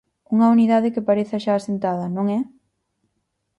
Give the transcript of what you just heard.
Unha unidade que parece xa asentada, non é?